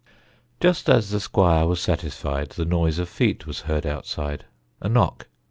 Just as the squire was satisfied, The noise of feet was heard outside; A knock.